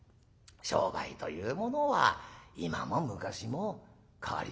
商売というものは今も昔も変わりませんな。